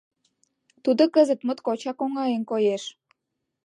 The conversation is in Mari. Тудо кызыт моткочак оҥайын коеш.